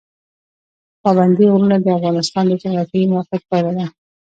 پابندی غرونه د افغانستان د جغرافیایي موقیعت پایله ده.